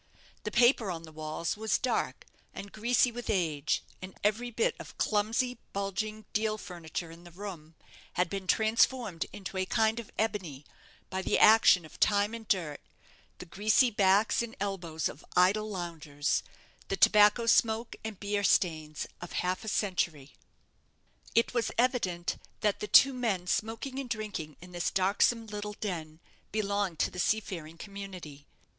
The paper on the walls was dark and greasy with age; and every bit of clumsy, bulging deal furniture in the room had been transformed into a kind of ebony by the action of time and dirt, the greasy backs and elbows of idle loungers, the tobacco smoke and beer stains of half a century. It was evident that the two men smoking and drinking in this darksome little den belonged to the seafaring community.